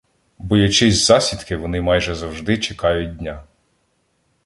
Боячись засідки, вони майже завжди чекають дня.